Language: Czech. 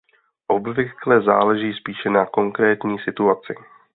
Obvykle záleží spíše na konkrétní situaci.